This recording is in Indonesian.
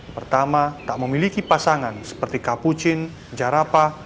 pertama tak memiliki pasangan seperti kapucin jarapa